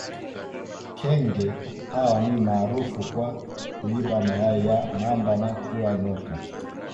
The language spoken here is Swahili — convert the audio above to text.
Kenge hawa ni maarufu kwa kuiba mayai ya mamba na kula nyoka